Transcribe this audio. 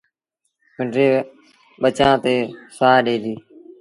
پنڊري ٻچآݩ تي سآه ڏي ديٚ۔